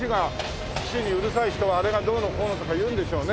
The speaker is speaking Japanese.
機種にうるさい人はあれがどうのこうのとか言うんでしょうね。